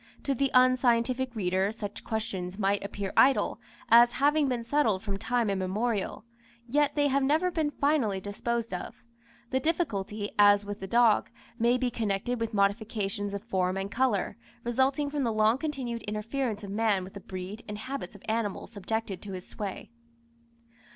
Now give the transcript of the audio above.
To the unscientific reader such questions might appear idle, as having been settled from time immemorial; yet they have never been finally disposed of. The difficulty, as with the dog, may be connected with modifications of form and colour, resulting from the long continued interference of man with the breed and habits of animals subjected to his sway.